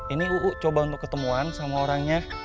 ini uu coba untuk ketemuan sama orangnya